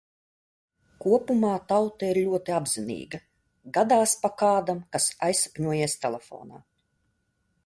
Kopumā tauta ir ļoti apzinīga, gadās pa kādam, kas azisapņojies telefonā.